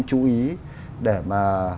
chú ý để mà